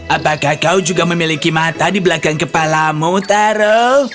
apakah kau juga memiliki mata di belakang kepalamu taro